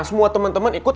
semua temen temen ikut